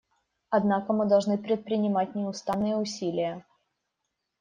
Однако мы должны предпринимать неустанные усилия.